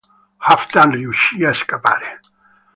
Halfdan riuscì a scappare.